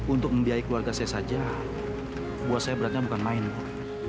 untuk membiayai keluarga saya saja buat saya beratnya bukan main bu